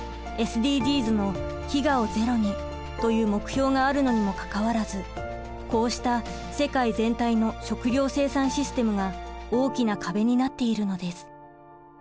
ＳＤＧｓの「飢餓をゼロに」という目標があるのにもかかわらずこうした世界全体の食糧生産システムが大きな壁になっているのです。